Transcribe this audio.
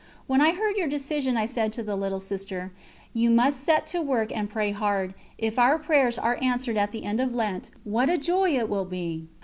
When I heard your decision I said to the little Sister: "We must set to work and pray hard; if our prayers are answered at the end of Lent, what a joy it will be!"